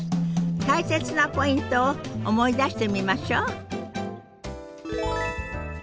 大切なポイントを思い出してみましょう。